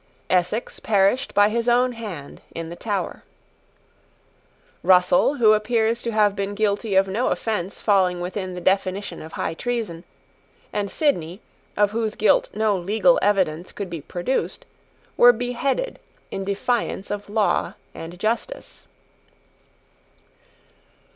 Essex perished by his own hand in the Tower. Russell, who appears to have been guilty of no offence falling within the definition of high treason, and Sidney, of whose guilt no legal evidence could be produced, were beheaded in defiance of law and justice.